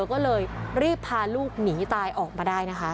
ก็เลยรีบพาลูกหนีตายออกมาได้นะคะ